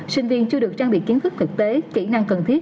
sinh viên chưa được trang bị kiến thức thực tế kỹ năng cần thiết